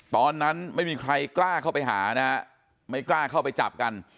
ตอนนั้นไม่มีใครกล้าเข้าไปหานะฮะไม่กล้าเข้าไปจับกัน